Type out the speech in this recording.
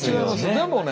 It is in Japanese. でもね